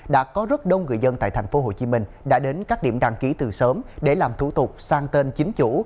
đã có rất đông người dân tại tp hcm đã đến các điểm đăng ký từ sớm để làm thủ tục sang tên chính chủ